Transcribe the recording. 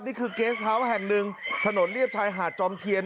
นี่คือเกสเฮาส์แห่งหนึ่งถนนเรียบชายหาดจอมเทียน